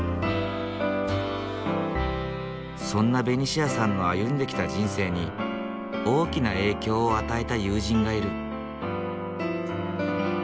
そんなベニシアさんの歩んできた人生に大きな影響を与えた友人がいる。